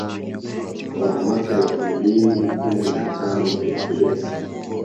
Kwa mwaka elfu mbili kumi na tano pekee